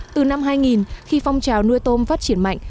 từ năm hai nghìn khi phong trào nuôi tôm phát triển mạnh